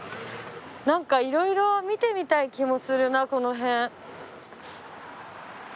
何かいろいろ見てみたい気もするなこの辺。